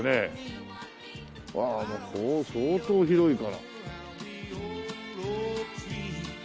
わあもうここ相当広いから。